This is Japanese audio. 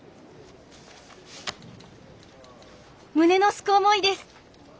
「胸のすく思いです」。